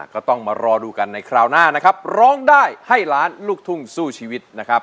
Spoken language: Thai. ก็ต้องมารอดูกันในคราวหน้านะครับร้องได้ให้ล้านลูกทุ่งสู้ชีวิตนะครับ